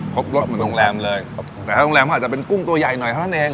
ครบรสเหมือนโรงแรมเลยครับแต่ถ้าโรงแรมเขาอาจจะเป็นกุ้งตัวใหญ่หน่อยเท่านั้นเอง